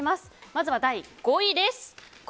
まずは第５位です。